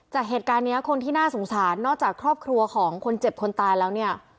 จากเหตุการณ์นี้คนที่น่าสงสารนอกจากครอบครัวของคนเจ็บคนตายแล้วเนี่ย